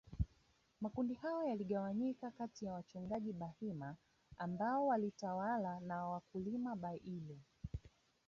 Makundi hayo yaligawanyika katiya wachungaji Bahima ambao walitawala na wakulima Bairu